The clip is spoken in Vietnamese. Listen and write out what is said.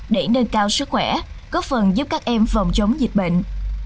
để nâng cao sức khỏe góp phần giúp các em phòng chống dịch bệnh